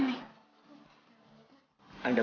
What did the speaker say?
nggak di depan